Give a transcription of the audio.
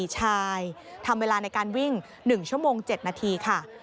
ชายทำเวลาในการวิ่ง๑ชั่วโมง๗นาทีค่ะ